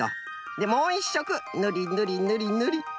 でもう１しょくぬりぬりぬりぬり。